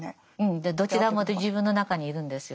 でどちらも自分の中にいるんですよ。